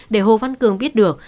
để hồ văn cường biết được